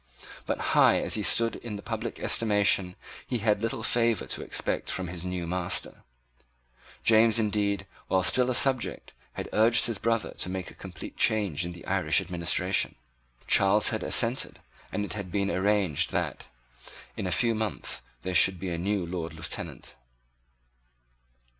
But, high as he stood in the public estimation, he had little favor to expect from his new master. James, indeed, while still a subject, had urged his brother to make a complete change in the Irish administration. Charles had assented; and it had been arranged that, in a few months, there should be a new Lord Lieutenant.